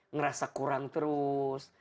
ngerasa kurang terus